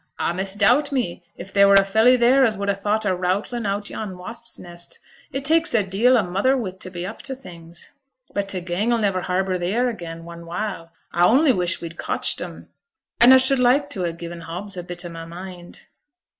A misdoubt me if there were a felly theere as would ha' thought o' routling out yon wasps' nest; it tak's a deal o' mother wit to be up to things. But t' gang'll niver harbour theere again, one while. A only wish we'd cotched 'em. An' a should like t' ha' gi'en Hobbs a bit o' my mind.'